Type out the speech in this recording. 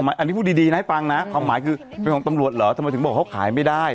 อันนี้พูดดีนะให้ฟังนะความหมายคือเป็นของตำรวจเหรอทำไมถึงบอกเขาขายไม่ได้